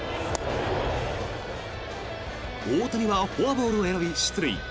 大谷はフォアボールを選び出塁。